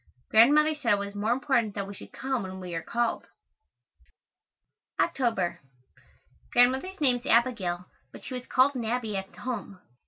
Grandmother said it was more important that we should come when we are called. October. Grandmother's name is Abigail, but she was always called "Nabby" at home.